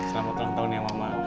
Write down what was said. selamat ulang tahun ya mama